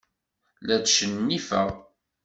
La tcennifeɣ.